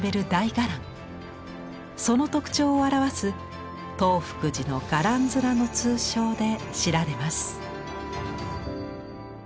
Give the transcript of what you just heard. その特長を表す「東福寺の伽藍面」の通称で知られます。